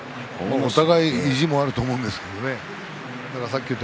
お互い意地もあると思うんですね